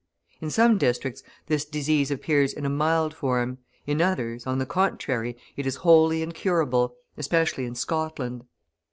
In some districts this disease appears in a mild form; in others, on the contrary, it is wholly incurable, especially in Scotland.